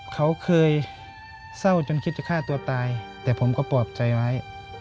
เขาเคยเศร้าจนคิดจะฆ่าตัวตายแต่ผมก็ปลอบใจไว้